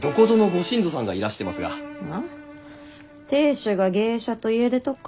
亭主が芸者と家出とか？